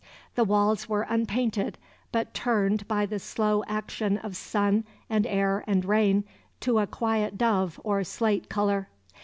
The walls were unpainted, but turned by the slow action of sun and air and rain to a quiet dove or slate color.